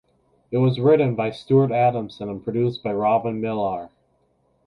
It was written by Stuart Adamson and produced by Robin Millar.